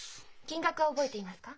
金額は覚えていますか？